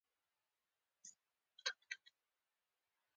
په تېرو پېړیو کې دا د اورګاډو د چلولو لپاره کارېدل.